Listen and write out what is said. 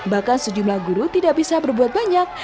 bahkan sejumlah guru tidak bisa berbuat banyak